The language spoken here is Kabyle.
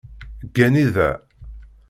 Ggani da.